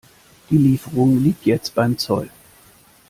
Die Lieferung liegt jetzt beim Zoll.